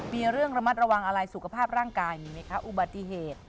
มีเรื่องระมัดระวังอะไรสุขภาพร่างกายมีไหมคะอุบัติเหตุ